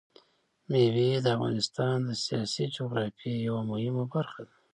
مېوې د افغانستان د سیاسي جغرافیه یوه مهمه برخه ده.